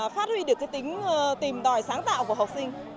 phát huy được tính tìm đòi sáng tạo của học sinh